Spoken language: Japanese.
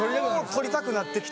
撮りたくなってきて。